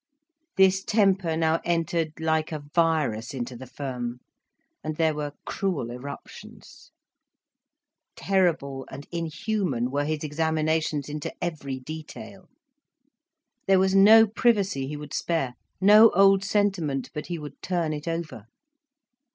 This temper now entered like a virus into the firm, and there were cruel eruptions. Terrible and inhuman were his examinations into every detail; there was no privacy he would spare, no old sentiment but he would turn it over.